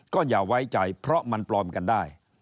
ก็อย่าไว้ใจเพราะมันปลอมกันได้